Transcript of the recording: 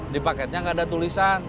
di paketnya nggak ada tulisan